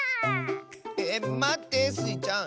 えまってスイちゃん！